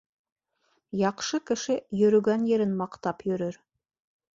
Яҡшы кеше йөрөгән ерен маҡтап йөрөр